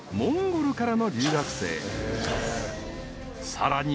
［さらに］